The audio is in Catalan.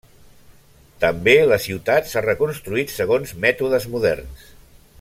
També la ciutat s'ha reconstruït segons mètodes moderns.